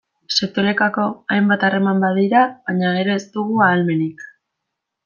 Sektorekako hainbat harreman badira, baina gero ez dugu ahalmenik.